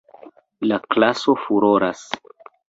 La klaso furoras.